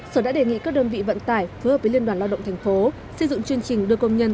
sở đã đề nghị các đơn vị vận tải phối hợp với liên đoàn lao động thành phố xây dựng chương trình đưa công nhân